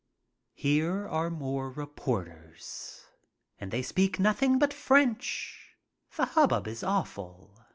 Here are more reporters. And they speak nothing but French. The hubbub is awful.